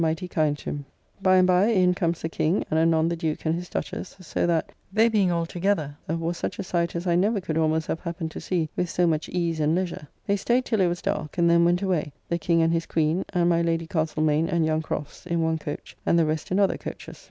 ] By and by in comes the King, and anon the Duke and his Duchess; so that, they being all together, was such a sight as I never could almost have happened to see with so much ease and leisure. They staid till it was dark, and then went away; the King and his Queen, and my Lady Castlemaine and young Crofts, in one coach and the rest in other, coaches.